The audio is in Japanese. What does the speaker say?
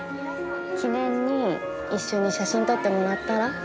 記念に一緒に写真撮ってもらったら？